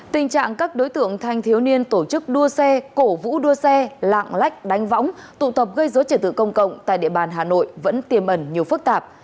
tình trạng các đối tượng thanh thiếu niên tổ chức đua xe cổ vũ đua xe lạng lách đánh võng tụ tập gây dối trật tự công cộng tại địa bàn hà nội vẫn tiềm ẩn nhiều phức tạp